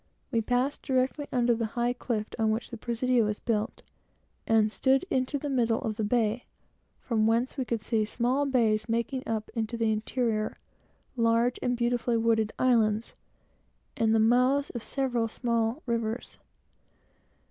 We passed directly under the high cliff on which the Presidio is built, and stood into the middle of the bay, from whence we could see small bays, making up into the interior, on every side; large and beautifully wooded islands; and the mouths of several small rivers.